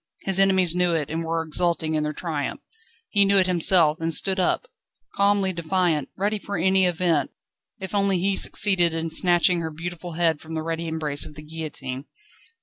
His enemies knew it, and were exulting in their triumph. He knew it himself, and stood up, calmly defiant, ready for any event, if only he succeeded in snatching her beautiful head from the ready embrace of the guillotine.